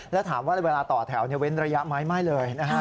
แล้วถามว่าเวลาต่อแถวเว้นระยะไหมไม่เลยนะฮะ